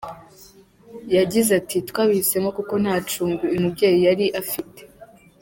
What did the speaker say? Yagize ati “ Twabihisemo kuko nta cumbi uyu mubyeyi yari afite.